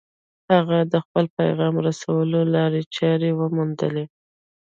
هغه د خپل پيغام رسولو لارې چارې وموندلې.